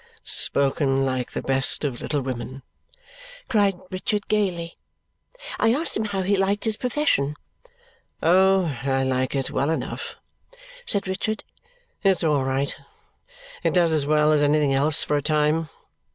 "Spoken like the best of little women!" cried Richard gaily. I asked him how he liked his profession. "Oh, I like it well enough!" said Richard. "It's all right. It does as well as anything else, for a time.